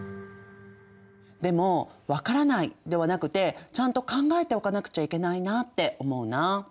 でもわからないではなくてちゃんと考えておかなくちゃいけないなって思うな。